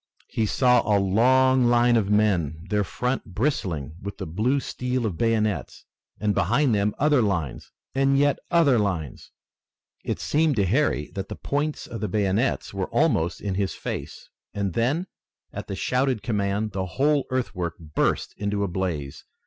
He saw a long line of men, their front bristling with the blue steel of bayonets, and behind them other lines and yet other lines. It seemed to Harry that the points of the bayonets were almost in his face, and then, at the shouted command, the whole earthwork burst into a blaze.